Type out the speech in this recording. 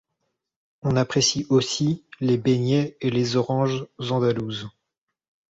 On apprécie aussi les beignets et les oranges andalouses.